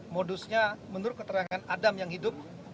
modusnya menurut keterangan adam yang hidup